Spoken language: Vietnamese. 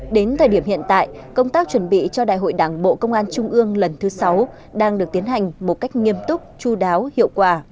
đến thời điểm hiện tại công tác chuẩn bị cho đại hội đảng bộ công an trung ương lần thứ sáu đang được tiến hành một cách nghiêm túc chú đáo hiệu quả